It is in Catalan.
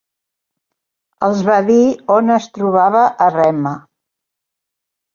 Els va dir on es trobava Herrema.